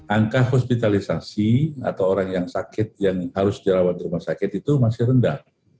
angka hospitalisasi atau orang yang sakit yang harus dirawat di rumah sakit itu masih rendah